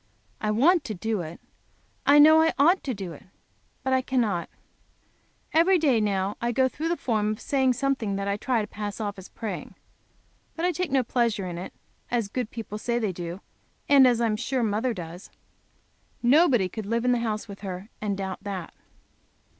I want to do it; I know I ought to do it; but I cannot. I go through the form of saying something that I try to pass off as praying, every day now. But I take no pleasure in it, as good people say they do, and as I am sure mother does. Nobody could live in the house with her, and doubt that.